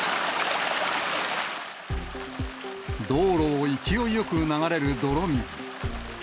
道路を勢いよく流れる泥水。